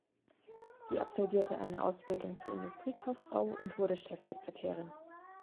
Sie absolvierte eine Ausbildung zur Industriekauffrau und wurde Chefsekretärin.